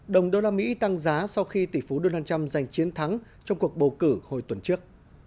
đồng đô la mỹ tăng giá sau khi tỷ phú đô la trăm giành chiến thắng trong cuộc bầu cử hồi tuần trước